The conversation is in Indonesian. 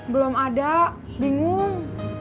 belum ada bingung